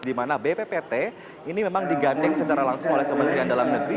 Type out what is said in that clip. di mana bppt ini memang digandeng secara langsung oleh kementerian dalam negeri